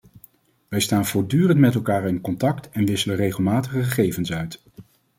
Wij staan voortdurend met elkaar in contact en wisselen regelmatig gegevens uit.